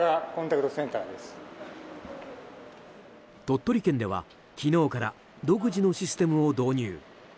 鳥取県では、昨日から独自のシステムを導入。